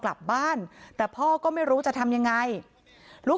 คำให้การในกอล์ฟนี่คือคำให้การในกอล์ฟนี่คือ